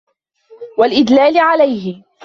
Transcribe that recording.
وَالْإِدْلَالِ عَلَيْهِ